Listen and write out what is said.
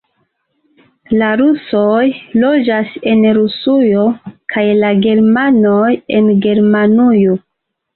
La rusoj loĝas en Rusujo kaj la germanoj en Germanujo.